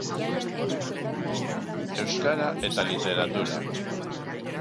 Euskara eta Literatura.